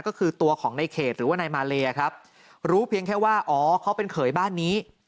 ก็คือตัวของในเขตหรือว่านายมาเลครับรู้เพียงแค่ว่าอ๋อเขาเป็นเขยบ้านนี้